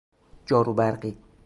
جارو برقی